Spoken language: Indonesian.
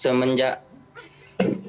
semenjak tentara ukraina bergabung ke bangkut